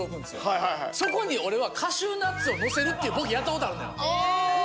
はいはいはいそこに俺はカシューナッツをのせるっていうボケをやったことあるのよああ